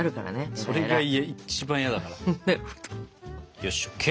よしＯＫ！